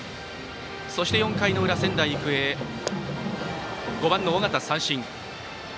そして４回裏、仙台育英５番の尾形は三振。